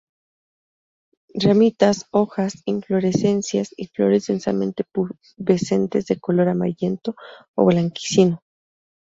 Ramitas, hojas, inflorescencias y flores densamente pubescentes de color amarillento o blanquecino.